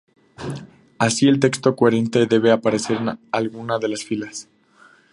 Así, el texto coherente debe aparecer en alguna de las filas.